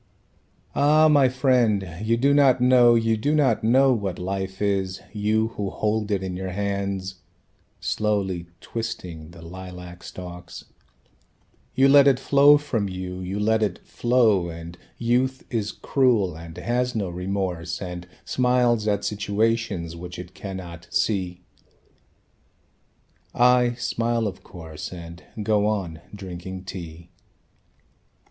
"Ah, my friend, you do not know, you do not know What life is, you should hold it in your hands"; (Slowly twisting the lilac stalks) "You let it flow from you, you let it flow, And youth is cruel, and has no remorse And smiles at situations which it cannot see." I smile, of course, And go on drinking tea.